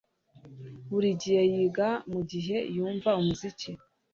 Buri gihe yiga mugihe yumva umuziki